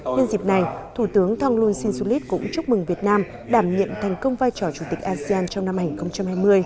nhân dịp này thủ tướng thonglun sinsulit cũng chúc mừng việt nam đảm nhiệm thành công vai trò chủ tịch asean trong năm hai nghìn hai mươi